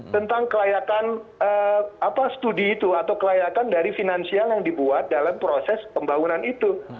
tentang kelayakan studi itu atau kelayakan dari finansial yang dibuat dalam proses pembangunan itu